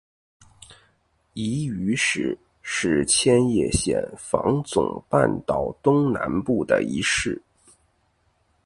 夷隅市是千叶县房总半岛东南部的一市。